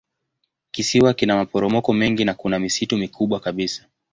Kisiwa kina maporomoko mengi na kuna misitu mikubwa kabisa.